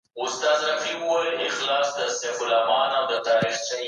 تاسو به د هر ډول منفي افکارو مخه ونیسئ.